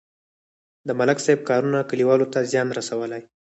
د ملک صاحب کارونو کلیوالو ته زیان رسولی.